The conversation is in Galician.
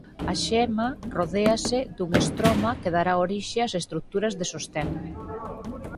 A xema rodéase dun estroma que dará orixe ás estruturas de sostén.